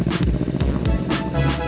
kayak kenceng too kita ya